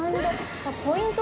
ポイント